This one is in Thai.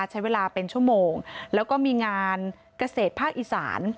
ใช้เวลาเป็นชั่วโมงแล้วก็มีงานเกษตรภาคอีสาน